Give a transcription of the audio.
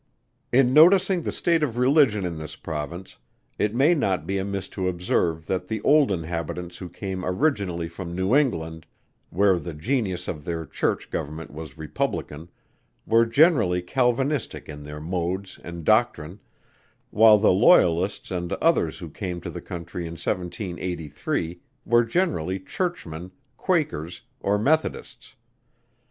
In noticing the state of religion in this Province, it may not be amiss to observe that the old inhabitants who came originally from New England, where the genius of their church government was republican, were generally Calvinistic in their modes and doctrine; while the loyalists and others who came to the country in 1783, were generally Churchmen, Quakers, or Methodists.